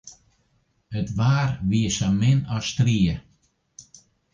It waar wie sa min as strie.